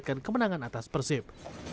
dan menargetkan kemenangan atas persib